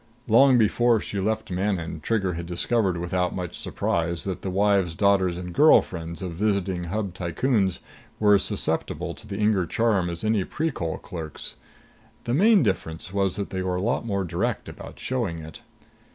Long before she left Manon, Trigger had discovered without much surprise, that the wives, daughters and girl friends of visiting Hub tycoons were as susceptible to the Inger charm as any Precol clerks. The main difference was that they were a lot more direct about showing it.